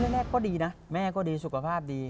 แม่ก็ดีนะแม่ก็ดีสุขภาพดี